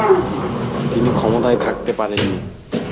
তিনি ক্ষমতায় থাকতে পারেননি।